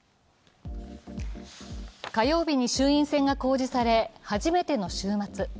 火曜日に衆院選が公示され、初めての週末。